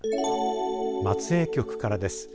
松江局からです。